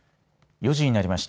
４時になりました。